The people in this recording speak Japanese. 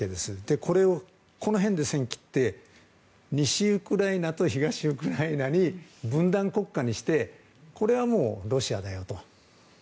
これを、この辺で線を切って西ウクライナと東ウクライナに分断国家にしてこれはロシアだよと。